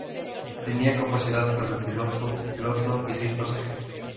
Tenia capacidad para el piloto, copiloto y seis pasajeros.